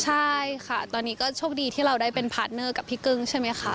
ใช่ค่ะตอนนี้ก็โชคดีที่เราได้เป็นพาร์ทเนอร์กับพี่กึ้งใช่ไหมคะ